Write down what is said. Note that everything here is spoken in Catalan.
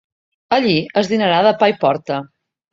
Allí es dinarà de pa i porta.